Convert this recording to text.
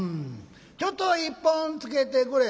ちょっと一本つけてくれ」。